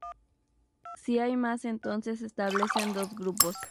Si hay más entonces se establecen dos grupos.